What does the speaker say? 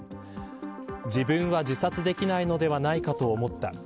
自分は自殺できないのではないかと思った。